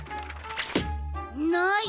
ない！